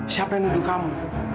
siapa yang nuduh kamu